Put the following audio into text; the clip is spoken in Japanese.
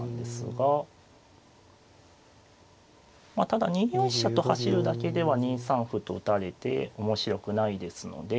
ただ２四飛車と走るだけでは２三歩と打たれて面白くないですので。